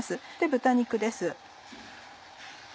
豚肉です。